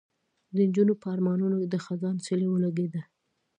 د نجونو په ارمانونو د خزان سیلۍ ولګېده